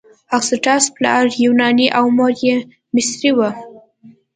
اګسټاس پلار یې یوناني او مور یې مصري وه.